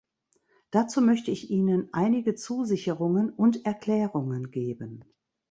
Dazu möchte ich Ihnen einige Zusicherungen und Erklärungen geben.